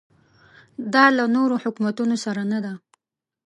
دا له نورو حکومتونو سره نه ده.